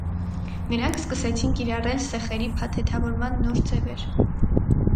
Նրանք սկսեցին կիրառել սեխերի փաթեթավորման նոր ձևեր։